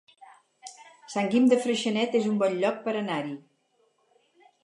Sant Guim de Freixenet es un bon lloc per anar-hi